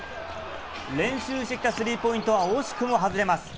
練習してきたスリーポイントは惜しくも外れます。